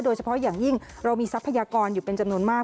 โดยเฉพาะอย่างยิ่งเรามีทรัพยากรอยู่เป็นจำนวนมาก